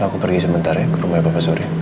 aku pergi sebentar ya ke rumahnya bapak surya